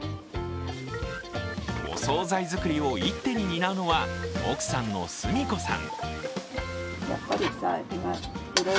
お総菜作りを一手に担うのは奥さんの澄子さん。